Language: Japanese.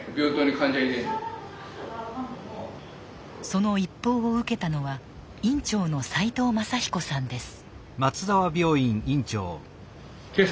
その一報を受けたのは院長の齋藤正彦さんです。